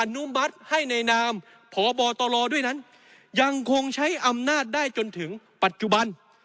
อนุมัติให้ในนามพบตรด้วยนั้นยังคงใช้อำนาจได้จนถึงปัจจุบัน